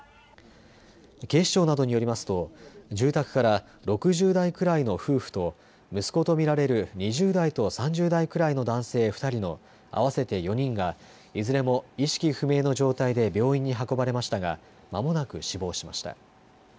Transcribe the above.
警視庁などによりますと住宅から６０代くらいの夫婦と息子と見られる２０代と３０代くらいの男性２人の合わせて４人がいずれも意識不明の状態で病院に運ばれましたがまもなく死亡しました。